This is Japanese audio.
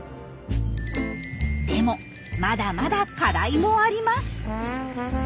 でもまだまだ課題もあります。